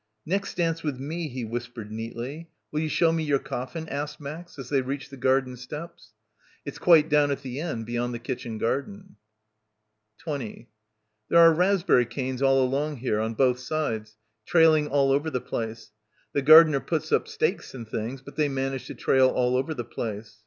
"Next dance with me," he whispered neatly. "Will you show me your coffin?" asked Max as they reached the garden steps. "It's quite down at the end beyond the kitchen garden." 6 7 PILGRIMAGE 20 "There are raspberry canes all along here, on both sides — trailing all over the place; the gar dener puts up stakes and things but they manage to trail all over the place."